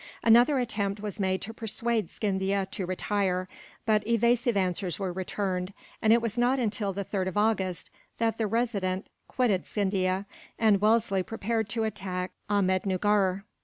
Another attempt was made to persuade Scindia to retire; but evasive answers were returned, and it was not until the 3rd of August that the Resident quitted Scindia, and Wellesley prepared to attack Ahmednuggur.